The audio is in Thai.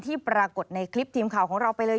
ปรากฏในคลิปทีมข่าวของเราไปเลย